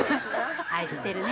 愛してるね。